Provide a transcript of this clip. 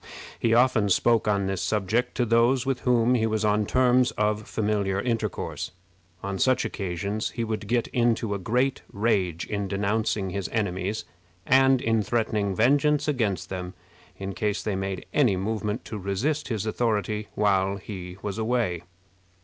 He often spoke on this subject to those with whom he was on terms of familiar intercourse. On such occasions he would get into a great rage in denouncing his enemies, and in threatening vengeance against them in case they made any movement to resist his authority while he was away.